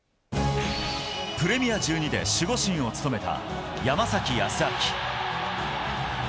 プレミア１２で守護神を務めた山崎康晃。